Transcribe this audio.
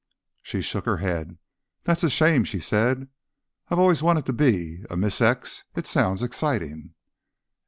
She shook her head. "That's a shame," she said. "I've always wanted to be a Miss X. It sounds exciting."